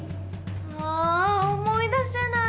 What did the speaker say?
あ思い出せない！